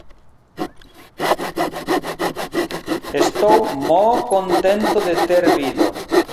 Estou moo contento de ter vido.